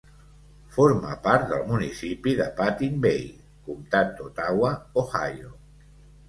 Forma part del municipi de Put-in-Bay, comtat d'Otawa, Ohio.